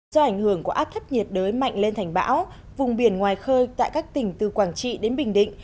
do ảnh hưởng của áp thấp nhiệt đới mạnh lên thành bão vùng biển ngoài khơi tại các tỉnh từ quảng trị đến bình định